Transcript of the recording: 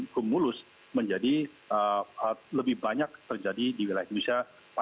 kumulus menjadi lebih banyak terjadi di wilayah indonesia